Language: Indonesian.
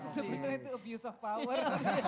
sebetulnya itu abuse of power